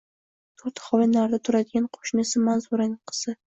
To‘rt hovli narida turadigan qo‘shnisi Manzuraning qizi